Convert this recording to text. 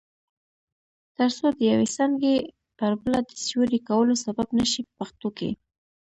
ترڅو د یوې څانګې پر بله د سیوري کولو سبب نشي په پښتو کې.